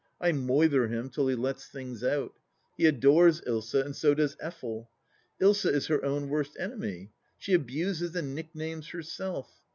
I moither him till he lets things out. He adores Ilsa, and so does Effel. Ilsa is her own worst enemy. She abuses and nicknames herself.